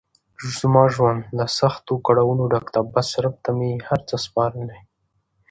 زما ژوند له سختو کړاونو ډګ ده بس رب ته مې هر څه سپارلی.